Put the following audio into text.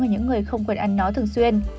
còn những người không quên ăn nó thường xuyên